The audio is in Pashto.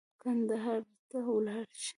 کندهار ته ولاړ شي.